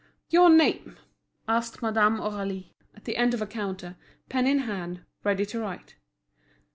"Your name?" asked Madame Aurélie, at the end of a counter, pen in hand, ready to write.